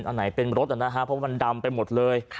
อันไหนเป็นรถน่ะฮะเพราะว่ามันดำไปหมดเลย